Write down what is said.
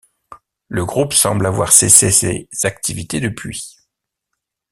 Le groupe semble avoir cessé ses activités depuis.